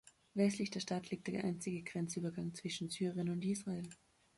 Westlich der Stadt liegt der einzige Grenzübergang zwischen Syrien und Israel.